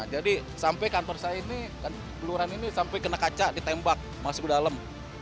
jadi sampai kantor saya ini peluran ini sampai kena kaca ditembak masuk ke dalam